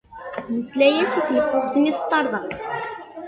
Nesla-as i tleffuɣt-nni teṭṭerḍeq.